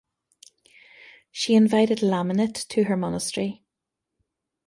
She invited Laminit to her monastery.